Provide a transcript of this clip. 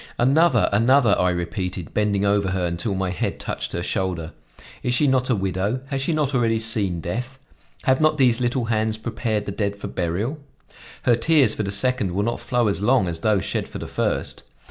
"Another, another!" I repeated, bending over her until my head touched her shoulder. "Is she not a widow? Has she not already seen death? Have not these little hands prepared the dead for burial? Her tears for the second will not flow as long as those shed for the first.